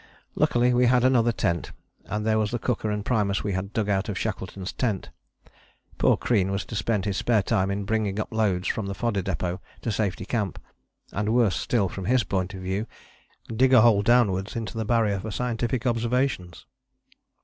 Luckily we had another tent, and there was the cooker and primus we had dug out of Shackleton's tent. Poor Crean was to spend his spare time in bringing up loads from the Fodder Depôt to Safety Camp and, worse still from his point of view, dig a hole downwards into the Barrier for scientific observations!